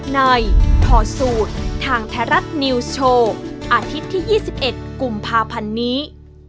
ถอดสูตรทางไทยรัฐนิวส์โชว์อาทิตย์ที่๒๑กุมภาพันธ์นี้